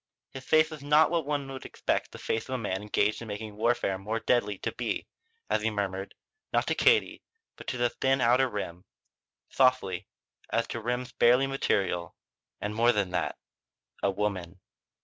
His face was not what one would expect the face of a man engaged in making warfare more deadly to be as he murmured, not to Katie but to the thin outer rim, softly, as to rims barely material: "And more than that a woman."